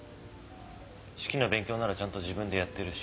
指揮の勉強ならちゃんと自分でやってるし。